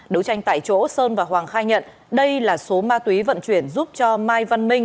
đấu tranh tại chỗ sơn và hoàng khai nhận đây là số ma túy vận chuyển giúp cho mai văn minh